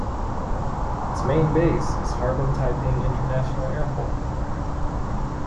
Its main base is Harbin Taiping International Airport.